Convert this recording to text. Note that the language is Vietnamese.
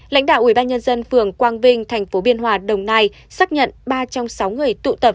lãnh đạo ubnd phường quang vinh tp biên hòa đồng nai xác nhận ba trong sáu người tụ tập